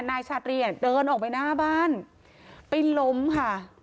นายชาตรีเดินออกไปหน้าบ้านไปล้มค่ะ